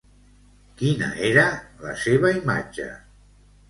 Quina era la seva imatge?